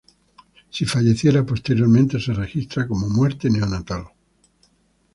Si falleciera posteriormente, se registra como muerte neonatal.